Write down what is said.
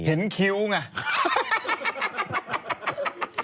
เห็นคิ้วไง